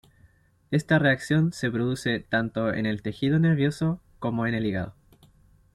Esta reacción se produce tanto en el tejido nervioso como en el hígado.